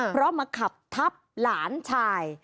พร้อมหักขับทับหลานชาย